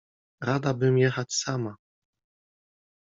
— Rada bym jechać sama.